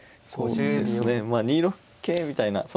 そうですねまあ２六桂みたいな。